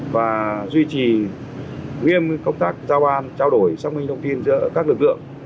và duy trì nghiêm công tác giao ban trao đổi xác minh thông tin giữa các lực lượng